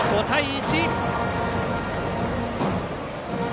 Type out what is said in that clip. ５対１。